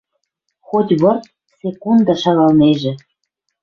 Хоть вырт, секунда шалгалнежӹ.